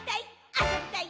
あそびたい！」